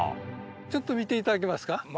ちょっと見ていただけますか？